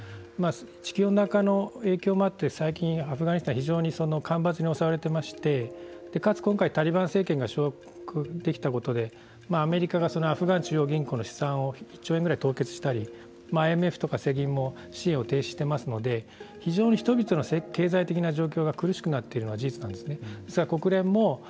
地球温暖化の影響もあって最近、アフガニスタン非常に干ばつに襲われていましてかつ今回タリバン政権が掌握できたことでアメリカがそのアフガン中央銀行の資産を１兆円ぐらい凍結したりＩＭＦとか世銀も支援を停止していますので非常に人々の経済的な状況が苦しくなっているのは事実なんですね。